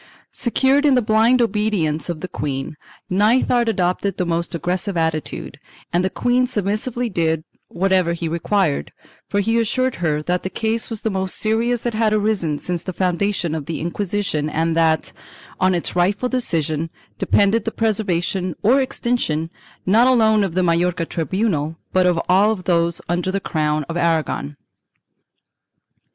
Secure in the blind obedience of the queen, Nithard adopted the most aggressive attitude, and the queen submissively did whatever he required, for he assured her that the case was the most serious that had arisen since the foundation of the Inquisi tion and that, on its rightful decision, depended the preservation or extinction, not alone of the Majorca tribunal, but of ail those under the crown of Aragon.